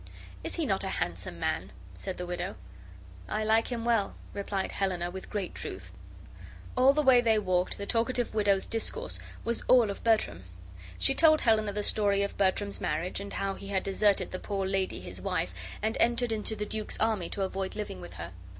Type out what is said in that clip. "Is he not a handsome man?" said the widow. "I like him well," replied Helena, with great truth. All the way they walked the talkative widow's discourse was all of Bertram. She told Helena the story of Bertram's marriage, and how he had deserted the poor lady his wife and entered into the duke's army to avoid living with her.